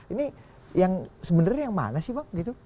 ini yang sebenarnya yang mana sih bang gitu